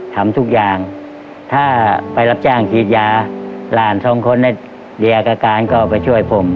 ทำทุกอย่างถ้าไปรับจ้างฉีดยาหลานสองคนในเดียกับการก็ไปช่วยผม